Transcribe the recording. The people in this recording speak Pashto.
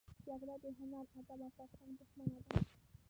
جګړه د هنر، ادب او فرهنګ دښمنه ده